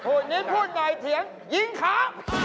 ภูมินี้พูดใดเถียงยิงขา